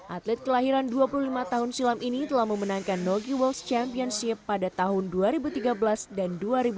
atlet kelahiran dua puluh lima tahun silam ini telah memenangkan nogi worlds championship pada tahun dua ribu tiga belas dan dua ribu dua puluh